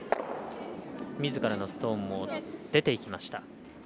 みずからのストーンも出ていきました。